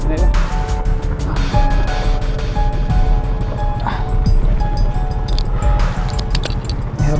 terima kasih bang